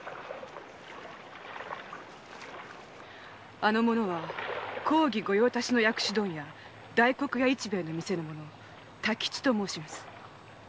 あの者は公儀御用達の薬種問屋・大黒屋市兵衛の店の者多吉と申します。